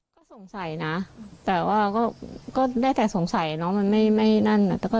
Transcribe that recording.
ก็สงสัยนะแต่ว่าก็ได้แต่สงสัยเนาะมันไม่นั่น